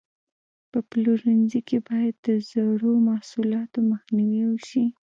په پلورنځي کې باید د زړو محصولاتو مخنیوی وشي.